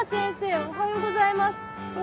おはようございます。